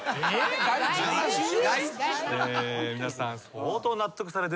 皆さん。